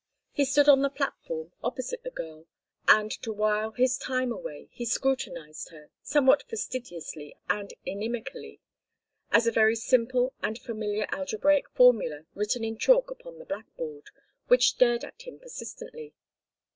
He stood on the platform, opposite the girl, and to while his time away he scrutinized her, somewhat fastidiously and inimically, as a very simple and familiar algebraic formula written in chalk upon the blackboard, which stared at him persistently.